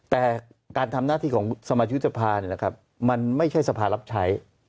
แต่การทำหน้าที่ของสมาชิกวุฒิภาษณ์นะครับมันไม่ใช่สภารับใช้